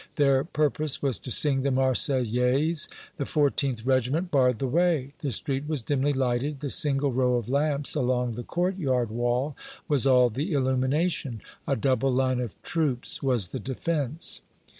Their purpose was to sing the Marseillaise. The 14th Regiment barred the way the street was dimly lighted a single row of lamps along the courtyard wall was all the illumination a double line of troops was the defence.